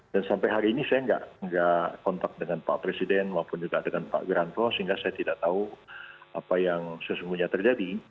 dan sampai hari ini saya tidak kontak dengan pak presiden maupun juga dengan pak wiranto sehingga saya tidak tahu apa yang sesungguhnya terjadi